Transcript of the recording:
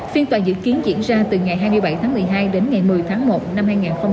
phiên tòa dự kiến diễn ra từ ngày hai mươi bảy tháng một mươi hai đến ngày một mươi tháng một năm hai nghìn hai mươi